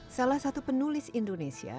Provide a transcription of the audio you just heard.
salah satu penulis indonesia